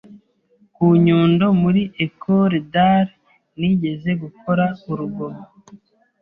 ku Nyundo muri Ecole d’Art nigeze gukora urugomo